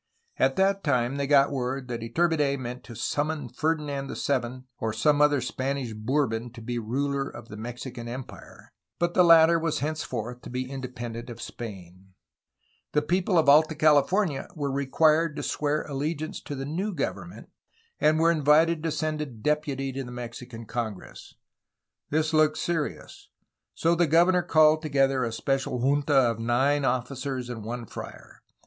At that time they got word that Iturbide meant to sum mon Ferdinand VII or some other Spanish Bourbon to ERA OF THE WARS OF INDEPENDENCE, 1810 1822 453 be ruler of the Mexican Empire, but the latter was hence forth to be independent of Spain. The people of Alta Cali fornia were required to swear allegiance to the new govern ment, and were invited to send a deputy to the Mexican Congress. This looked serious. So the governor called together a special junta of nine officers and one friar.